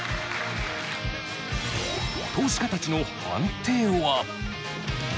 投資家たちの判定は？